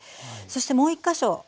そしてもう１か所。